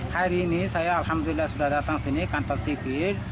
hari ini saya alhamdulillah sudah datang sini kantor sivir